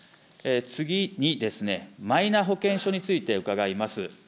次にですね、マイナ保険証について伺います。